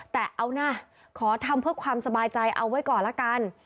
แต่เอานะขอทำเพื่อความสบายใจเอาไว้ก่อนละกัน